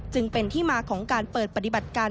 จึงเป็นที่มาของการเปิดปฏิบัติการ